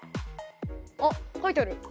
あっ書いてある！